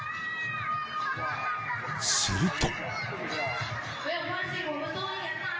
［すると］